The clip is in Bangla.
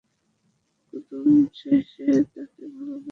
কুমুদ শেষে তোকে ভালোবাসল মতি?